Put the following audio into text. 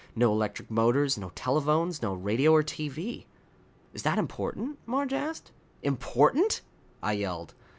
No electric motors. No telephones. No radio or TV." "Is that important?" Marge asked. "Important?" I yelled.